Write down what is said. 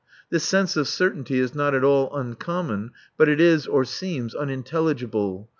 This sense of certainty is not at all uncommon, but it is, or seems, unintelligible.